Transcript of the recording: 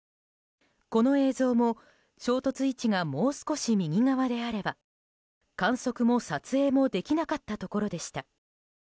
この映像も、衝突位置がもう少し右側であれば観測も撮影もできなかったところでした。